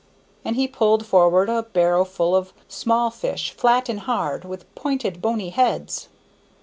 And he pulled forward a barrow full of small fish, flat and hard, with pointed, bony heads.